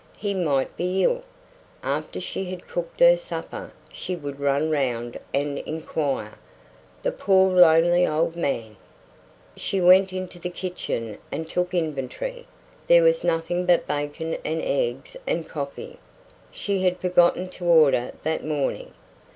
He might be ill. After she had cooked her supper she would run round and inquire. The poor lonely old man! She went into the kitchen and took inventory. There was nothing but bacon and eggs and coffee. She had forgotten to order that morning.